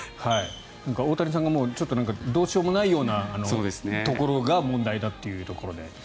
大谷さんがどうしようもないようなところが問題だというところで。